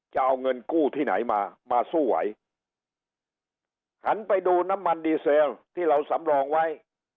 จะเอาเงินกู้ที่ไหนมามาสู้ไหวหันไปดูน้ำมันดีเซลที่เราสำรองไว้